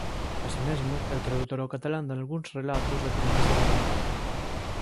Así mesmo é o tradutor ao catalán dalgúns relatos da coruñesa Begoña Paz.